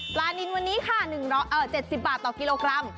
นินวันนี้ค่ะ๗๐บาทต่อกิโลกรัม